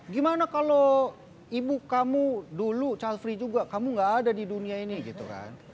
gimana kalau ibu kamu dulu chafri juga kamu gak ada di dunia ini gitu kan